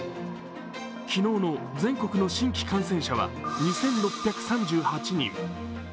昨日の全国の新規感染者は２６３８人。